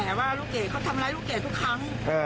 แต่ว่าลูกเกดเขาทำร้ายลูกเกดทุกครั้ง